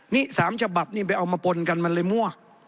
นี่๓ฉบับนี่ไปเอามาปนกันมันเลยมั่ว